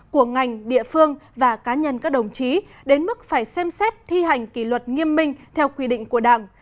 của ngành địa phương và cá nhân các đồng chí đến mức phải xem xét thi hành kỷ luật nghiêm minh theo quy định của đảng